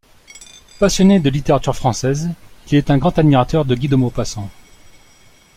Passionné de littérature française, il est un grand admirateur de Guy de Maupassant.